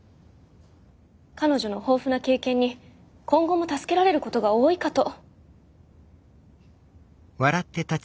彼女の豊富な経験に今後も助けられることが多いかと。